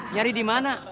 nyari di mana